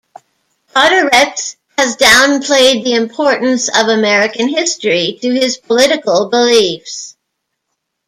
Podhoretz has downplayed the importance of American history to his political beliefs.